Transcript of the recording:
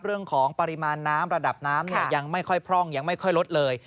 เรื่องของปริมาณน้ำระดับน้ำเนี่ยยังไม่ค่อยพร่องยังไม่ค่อยลดเลย